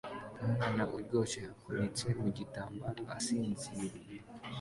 Umwana uryoshye apfunyitse mu gitambaro asinziriye